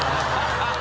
ハハハ